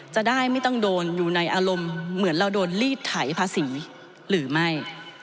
จะได้ไม่ต้องโดนอยู่ในอารมณ์เหมือนเราโดนรีดไถภาษีหรือไม่